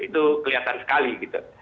itu kelihatan sekali gitu